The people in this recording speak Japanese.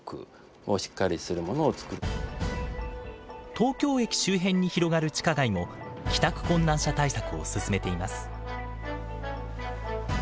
東京駅周辺に広がる地下街も帰宅困難者対策を進めています。